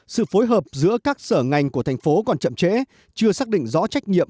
sự phối hợp giữa các sở ngành của tp còn chậm trễ chưa xác định rõ trách nhiệm